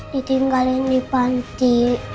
ditinggalin di panti